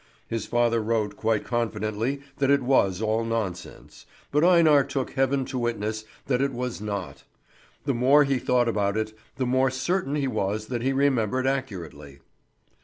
His father wrote quite confidently that it was all nonsense; but Einar took heaven to witness that it was not. The more he thought about it, the more certain he was that he remembered accurately.